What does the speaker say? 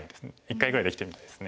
一回ぐらいできてみたいです。